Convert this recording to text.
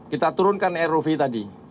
kita turunkan rov tadi